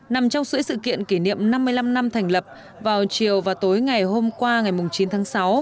nằm trong suối sự kiện kỷ niệm năm mươi năm năm thành lập vào chiều và tối ngày hôm qua ngày chín tháng sáu